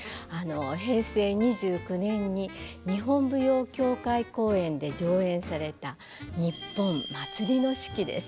平成２９年に日本舞踊協会公演で上演された「にっぽん−まつりの四季−」です。